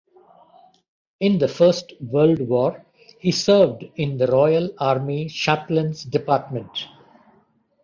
In the First World War he served in the Royal Army Chaplains Department.